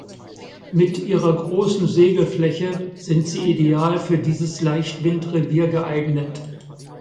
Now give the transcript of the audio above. Mit ihrer großen Segelfläche sind sie ideal für dieses Leichtwindrevier geeignet.